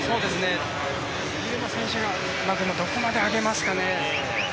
ギルマ選手がどこまで上げますかね。